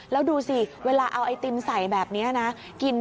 แล้วดูสิเวลาเอาไอติมใส่แบบนี้นะ